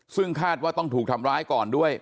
ซึ่งคาดว่าต้องถูกทำร้ายก่อนด้วย